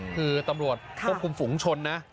คือตำรวจรบกลุ่มฝงชนนะ